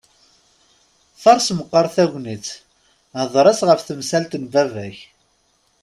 Faṛes meqqaṛ tagnitt, hḍeṛ-as ɣef temsalt n baba-k!